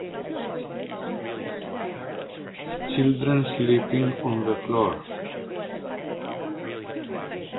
Children sleeping on the floor.